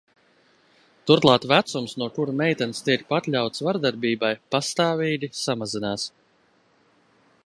Turklāt vecums, no kura meitenes tiek pakļautas vardarbībai, pastāvīgi samazinās.